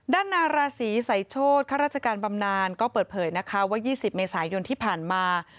นาราศีสายโชธข้าราชการบำนานก็เปิดเผยนะคะว่า๒๐เมษายนที่ผ่านมา